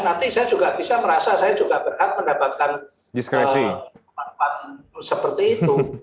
nanti saya juga bisa merasa saya juga berhak mendapatkan manfaat seperti itu